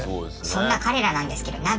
そんな彼らなんですけどなんと。